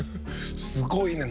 すごいね。